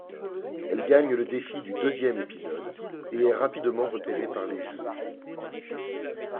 Elle gagne le défi du deuxième épisode, et est rapidement repérée par les juges.